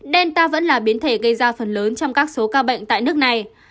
delta vẫn là biến thể gây ra phần lớn trong các số ca bệnh tại nước này